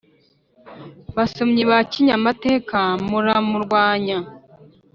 basomyi ba kinyamateka muramurwanda